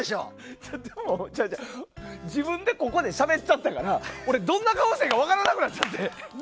違う、自分でここでしゃべっちゃったから俺、どんな顔していいか分からなくなっちゃって。